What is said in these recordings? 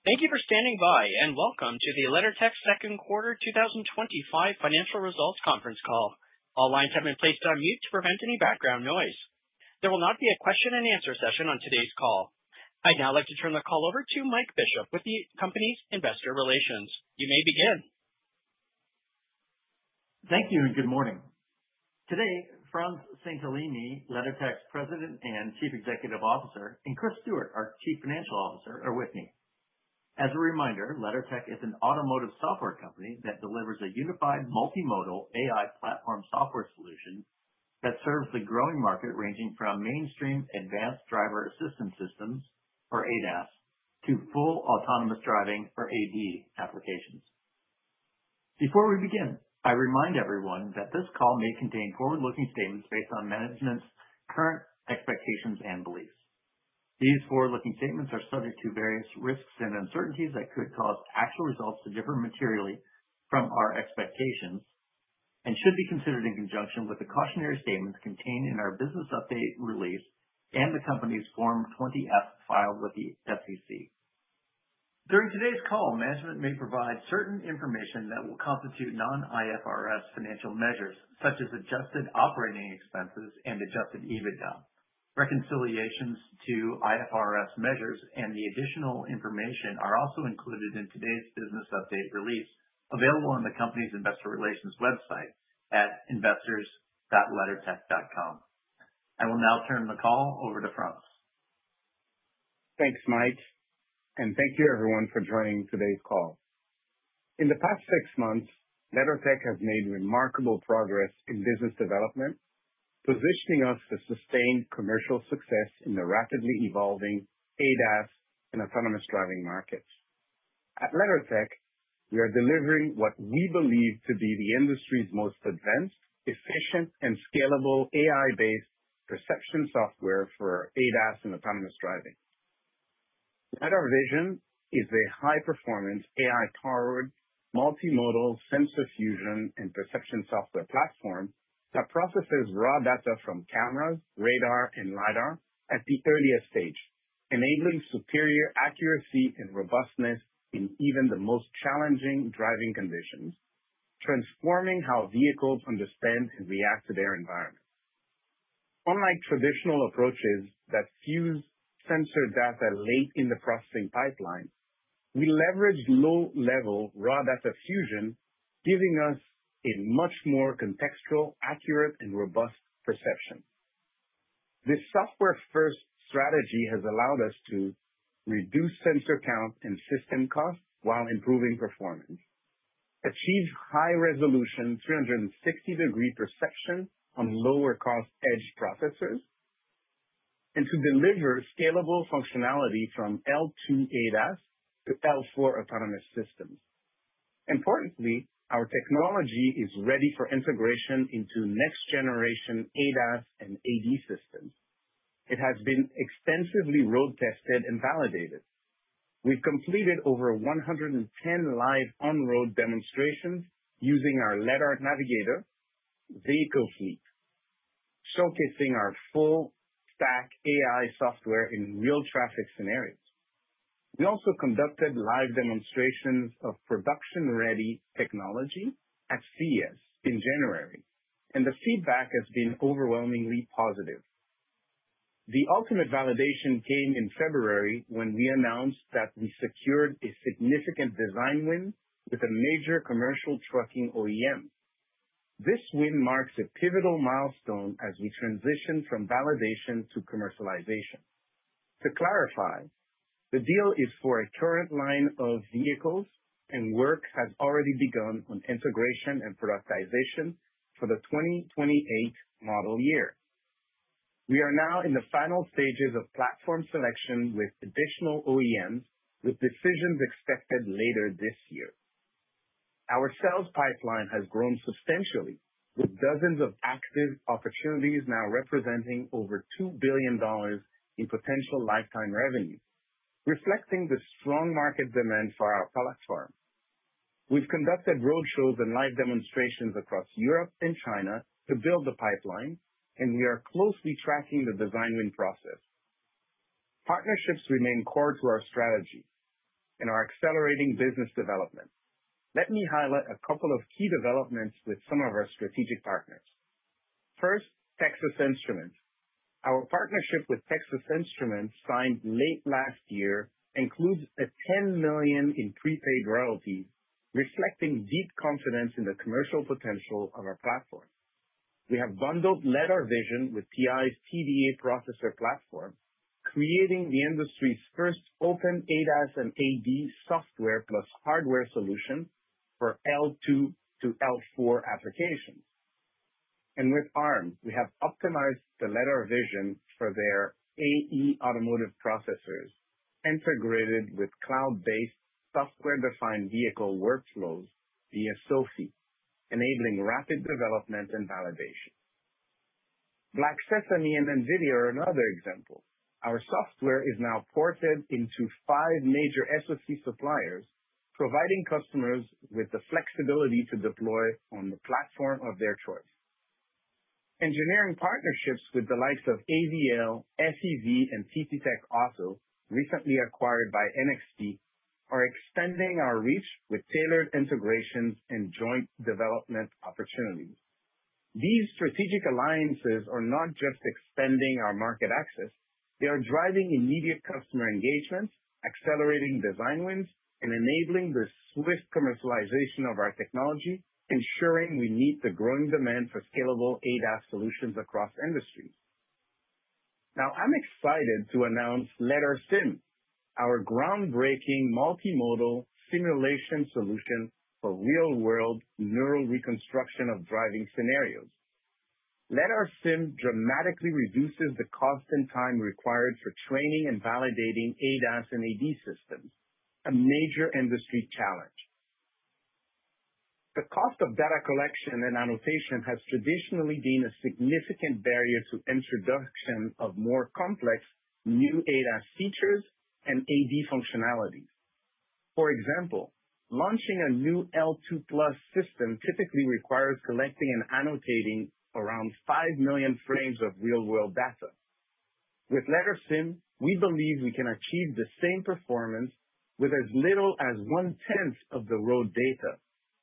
Thank you for standing by and welcome to the LeddarTech second quarter 2025 financial results conference call. All lines have been placed on mute to prevent any background noise. There will not be a question and answer session on today's call. I'd now like to turn the call over to Mike Bishop with the company's investor relations. You may begin. Thank you and good morning. Today, Frantz Saintellemy, LeddarTech's President and Chief Executive Officer, and Chris Stewart, our Chief Financial Officer, are with me. As a reminder, LeddarTech is an automotive software company that delivers a unified multimodal AI platform software solution that serves the growing market ranging from mainstream advanced driver assistance systems, or ADAS, to full autonomous driving, or AD, applications. Before we begin, I remind everyone that this call may contain forward-looking statements based on management's current expectations and beliefs. These forward-looking statements are subject to various risks and uncertainties that could cause actual results to differ materially from our expectations and should be considered in conjunction with the cautionary statements contained in our business update release and the company's Form 20-F filed with the SEC. During today's call, management may provide certain information that will constitute non-IFRS financial measures, such as adjusted operating expenses and adjusted EBITDA. Reconciliations to IFRS measures and the additional information are also included in today's business update release available on the company's investor relations website at investors.leddartech.com. I will now turn the call over to Frantz. Thanks, Mike, and thank you everyone for joining today's call. In the past six months, LeddarTech has made remarkable progress in business development, positioning us for sustained commercial success in the rapidly evolving ADAS and autonomous driving markets. At LeddarTech, we are delivering what we believe to be the industry's most advanced, efficient, and scalable AI-based perception software for ADAS and autonomous driving. LeddarTech's vision is a high-performance, AI-powered, multimodal sensor fusion and perception software platform that processes raw data from cameras, radar, and LiDAR at the earliest stage, enabling superior accuracy and robustness in even the most challenging driving conditions, transforming how vehicles understand and react to their environment. Unlike traditional approaches that fuse sensor data late in the processing pipeline, we leverage low-level raw data fusion, giving us a much more contextual, accurate, and robust perception. This software-first strategy has allowed us to reduce sensor count and system costs while improving performance, achieve high-resolution 360-degree perception on lower-cost edge processors, and to deliver scalable functionality from L2 ADAS to L4 autonomous systems. Importantly, our technology is ready for integration into next-generation ADAS and AD systems. It has been extensively road-tested and validated. We've completed over 110 live on-road demonstrations using our LeddarNavigator vehicle fleet, showcasing our full-stack AI software in real traffic scenarios. We also conducted live demonstrations of production-ready technology at CES in January, and the feedback has been overwhelmingly positive. The ultimate validation came in February when we announced that we secured a significant design win with a major commercial trucking OEM. This win marks a pivotal milestone as we transition from validation to commercialization. To clarify, the deal is for a current line of vehicles, and work has already begun on integration and productization for the 2028 model year. We are now in the final stages of platform selection with additional OEMs, with decisions expected later this year. Our sales pipeline has grown substantially, with dozens of active opportunities now representing over $2 billion in potential lifetime revenue, reflecting the strong market demand for our platform. We've conducted roadshows and live demonstrations across Europe and China to build the pipeline, and we are closely tracking the design win process. Partnerships remain core to our strategy and our accelerating business development. Let me highlight a couple of key developments with some of our strategic partners. First, Texas Instruments. Our partnership with Texas Instruments signed late last year includes a $10 million in prepaid royalties, reflecting deep confidence in the commercial potential of our platform. We have bundled LeddarVision with TI's TDA processor platform, creating the industry's first open ADAS and AD software plus hardware solution for L2 to L4 applications. And with Arm, we have optimized the LeddarVision for their Arm AE automotive processors, integrated with cloud-based software-defined vehicle workflows via SOAFEE, enabling rapid development and validation. Black Sesame and NVIDIA are another example. Our software is now ported into five major SoC suppliers, providing customers with the flexibility to deploy on the platform of their choice. Engineering partnerships with the likes of AVL, FEV, and TTTech Auto, recently acquired by NXP, are extending our reach with tailored integrations and joint development opportunities. These strategic alliances are not just extending our market access. They are driving immediate customer engagement, accelerating design wins, and enabling the swift commercialization of our technology, ensuring we meet the growing demand for scalable ADAS solutions across industries. Now, I'm excited to announce LeddarSim, our groundbreaking multimodal simulation solution for real-world neural reconstruction of driving scenarios. LeddarSim dramatically reduces the cost and time required for training and validating ADAS and AD systems, a major industry challenge. The cost of data collection and annotation has traditionally been a significant barrier to the introduction of more complex new ADAS features and AD functionalities. For example, launching a new L2 plus system typically requires collecting and annotating around 5 million frames of real-world data. With LeddarSim, we believe we can achieve the same performance with as little as one-tenth of the road data,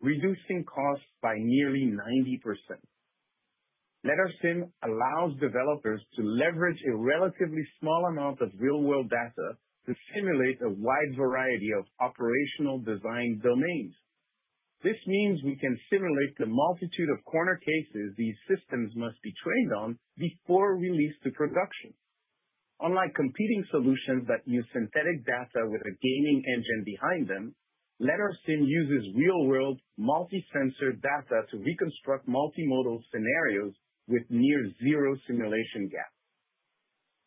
reducing costs by nearly 90%. LeddarSim allows developers to leverage a relatively small amount of real-world data to simulate a wide variety of operational design domains. This means we can simulate the multitude of corner cases these systems must be trained on before release to production. Unlike competing solutions that use synthetic data with a gaming engine behind them, LeddarSim uses real-world multi-sensor data to reconstruct multimodal scenarios with near-zero simulation gap.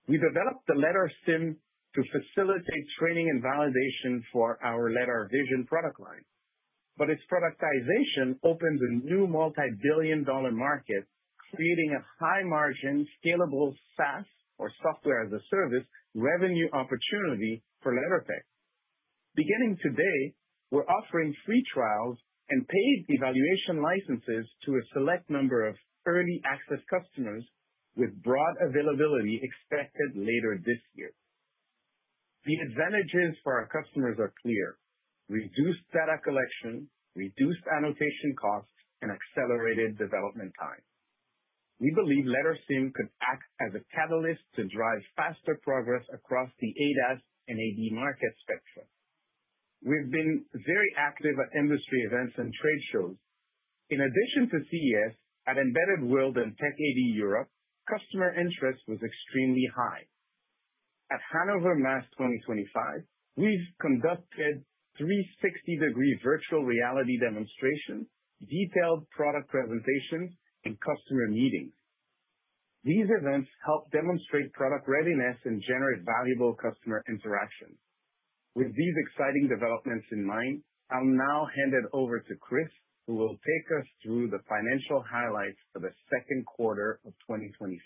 We developed the LeddarSim to facilitate training and validation for our LeddarVision product line, but its productization opens a new multi-billion dollar market, creating a high-margin scalable SaaS, or software as a service, revenue opportunity for LeddarTech. Beginning today, we're offering free trials and paid evaluation licenses to a select number of early access customers, with broad availability expected later this year. The advantages for our customers are clear: reduced data collection, reduced annotation costs, and accelerated development time. We believe LeddarSim could act as a catalyst to drive faster progress across the ADAS and AD market spectrum. We've been very active at industry events and trade shows. In addition to CES, at Embedded World and Tech.AD Europe, customer interest was extremely high. At Hannover Messe 2025, we've conducted 360-degree virtual reality demonstrations, detailed product presentations, and customer meetings. These events help demonstrate product readiness and generate valuable customer interaction. With these exciting developments in mind, I'll now hand it over to Chris, who will take us through the financial highlights for the second quarter of 2025,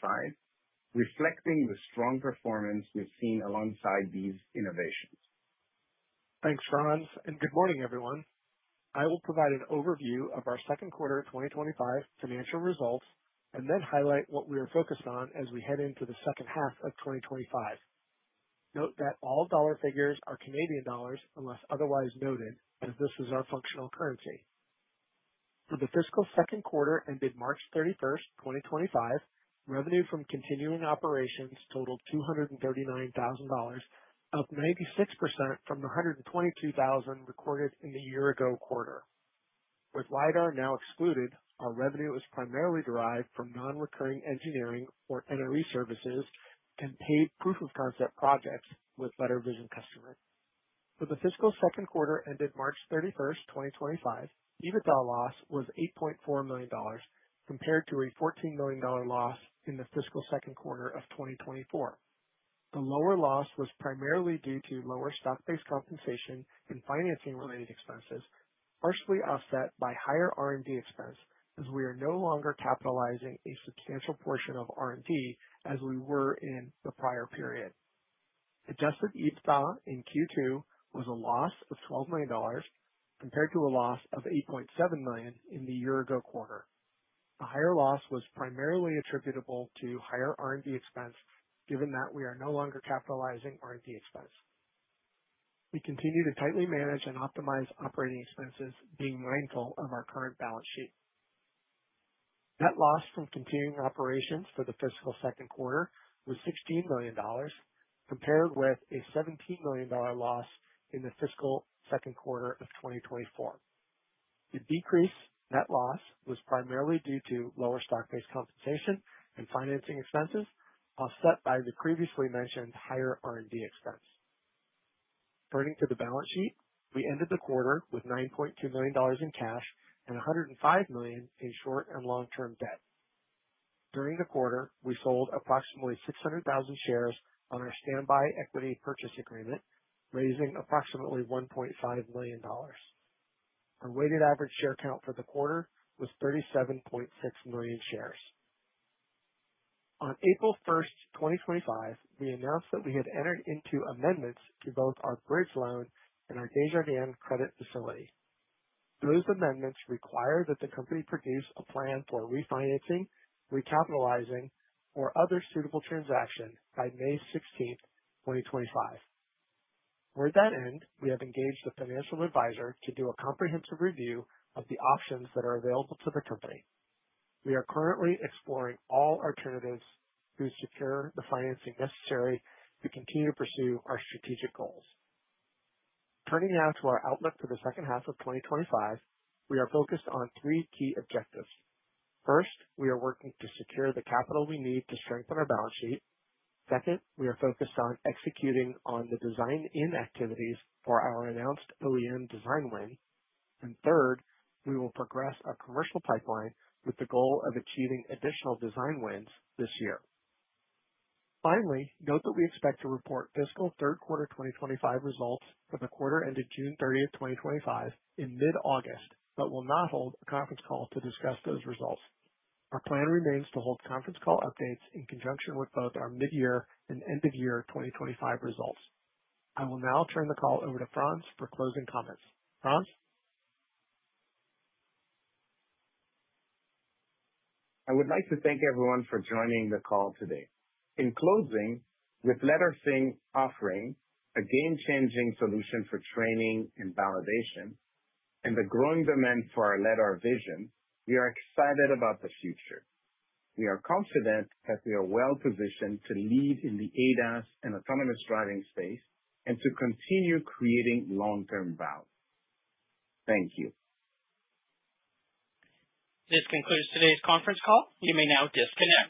reflecting the strong performance we've seen alongside these innovations. Thanks, Frantz, and good morning, everyone. I will provide an overview of our second quarter 2025 financial results and then highlight what we are focused on as we head into the second half of 2025. Note that all dollar figures are Canadian dollars unless otherwise noted, as this is our functional currency. For the fiscal second quarter ended March 31st, 2025, revenue from continuing operations totaled 239,000 dollars, up 96% from the 122,000 recorded in the year-ago quarter. With LiDAR now excluded, our revenue is primarily derived from non-recurring engineering, or NRE services, and paid proof-of-concept projects with LeddarVision customers. For the fiscal second quarter ended March 31st, 2025, EBITDA loss was 8.4 million dollars, compared to a 14 million dollar loss in the fiscal second quarter of 2024. The lower loss was primarily due to lower stock-based compensation and financing-related expenses, partially offset by higher R&D expense, as we are no longer capitalizing a substantial portion of R&D as we were in the prior period. Adjusted EBITDA in Q2 was a loss of $12 million, compared to a loss of $8.7 million in the year-ago quarter. The higher loss was primarily attributable to higher R&D expense, given that we are no longer capitalizing R&D expense. We continue to tightly manage and optimize operating expenses, being mindful of our current balance sheet. Net loss from continuing operations for the fiscal second quarter was $16 million, compared with a $17 million loss in the fiscal second quarter of 2024. The decrease in net loss was primarily due to lower stock-based compensation and financing expenses, offset by the previously mentioned higher R&D expense. Turning to the balance sheet, we ended the quarter with $9.2 million in cash and $105 million in short and long-term debt. During the quarter, we sold approximately 600,000 shares on our standby equity purchase agreement, raising approximately $1.5 million. Our weighted average share count for the quarter was 37.6 million shares. On April 1st, 2025, we announced that we had entered into amendments to both our bridge loan and our Desjardins credit facility. Those amendments require that the company produce a plan for refinancing, recapitalizing, or other suitable transaction by May 16th, 2025. Toward that end, we have engaged a financial advisor to do a comprehensive review of the options that are available to the company. We are currently exploring all alternatives to secure the financing necessary to continue to pursue our strategic goals. Turning now to our outlook for the second half of 2025, we are focused on three key objectives. First, we are working to secure the capital we need to strengthen our balance sheet. Second, we are focused on executing on the design-in activities for our announced OEM design win. And third, we will progress our commercial pipeline with the goal of achieving additional design wins this year. Finally, note that we expect to report fiscal third quarter 2025 results for the quarter ended June 30th, 2025, in mid-August, but will not hold a conference call to discuss those results. Our plan remains to hold conference call updates in conjunction with both our mid-year and end-of-year 2025 results. I will now turn the call over to Frantz for closing comments. Frantz? I would like to thank everyone for joining the call today. In closing, with LeddarSim offering a game-changing solution for training and validation and the growing demand for our LeddarVision, we are excited about the future. We are confident that we are well-positioned to lead in the ADAS and autonomous driving space and to continue creating long-term value. Thank you. This concludes today's conference call. You may now disconnect.